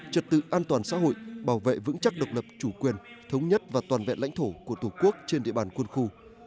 trật tự an toàn xã hội bảo vệ vững chắc độc lập chủ quyền thống nhất và toàn vẹn lãnh thổ của tổ quốc trên địa bàn quân khu